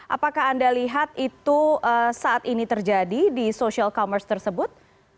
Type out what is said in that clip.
apakah anda lihat itu saat ini terjadi di social commerce tersebut